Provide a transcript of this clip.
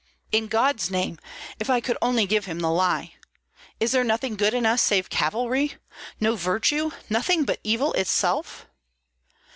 "In God's name, if I could only give him the lie! Is there nothing good in us save cavalry; no virtue, nothing but evil itself?"